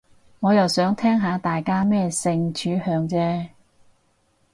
我又想聽下大家咩性取向啫